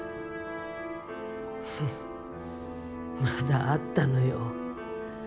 ふっまだあったのよ。